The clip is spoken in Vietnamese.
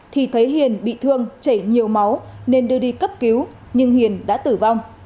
thì thấy hiền bị thương chảy nhiều máu nên đưa đi cấp cứu nhưng hiền đã tử vong